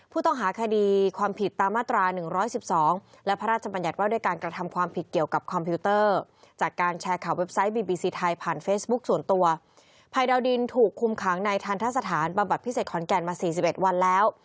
ผู้ต้องหาคดีความผิดตามมาตรา๑๑๒